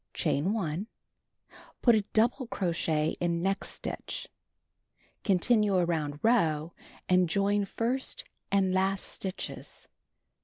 Chain 1. Put 1 double crochet in next stitch. Continue around row and join first and last stitches.